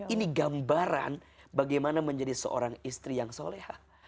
ini gambaran bagaimana menjadi seorang istri yang soleha